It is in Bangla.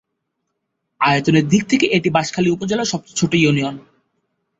আয়তনের দিক থেকে এটি বাঁশখালী উপজেলার সবচেয়ে ছোট ইউনিয়ন।